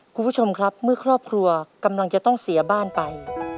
คุณผู้ชมครับเมื่อครอบครัวกำลังจะต้องเสียบ้านไป